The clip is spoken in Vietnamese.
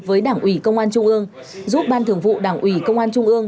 với đảng ủy công an trung ương giúp ban thường vụ đảng ủy công an trung ương